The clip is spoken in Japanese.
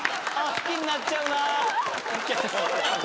好きになっちゃった！